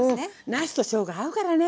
なすとしょうが合うからね。